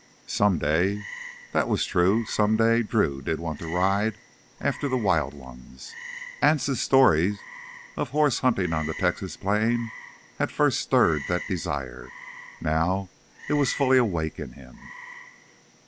"Someday—" That was true. Someday Drew did want to ride after the wild ones. Anse's stories of horse hunting on the Texas plains had first stirred that desire. Now it was fully awake in him.